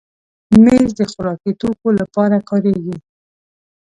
مېز د خوراکي توکو لپاره کارېږي.